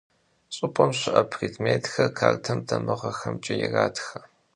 Ş'ıp'em şı'e prêdmêtxer kartem damığexemç'e yiratxe.